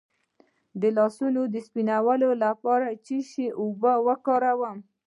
د لاسونو د سپینولو لپاره د څه شي اوبه وکاروم؟